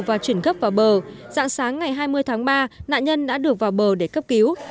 và chuyển gấp vào bờ dạng sáng ngày hai mươi tháng ba nạn nhân đã được vào bờ để cấp cứu